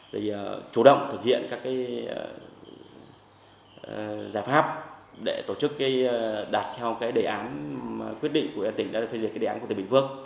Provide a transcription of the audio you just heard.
để chủ động thực hiện các giải pháp để tổ chức đạt theo đề án quyết định của bình phước